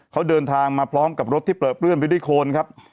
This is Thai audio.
เขาเดินทางมาพร้อมกับรถที่เปลือเปลื้อนไปด้วยโคนครับ